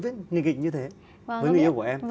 với người yêu của em